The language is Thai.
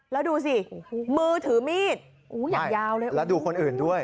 แล้วดูสิมือถือมีดแล้วดูคนอื่นด้วย